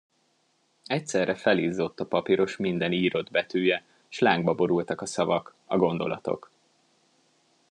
Egyszerre felizzott a papiros minden írott betűje, s lángba borultak a szavak, a gondolatok.